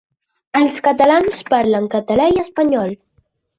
Els catalans parlen català i espanyol.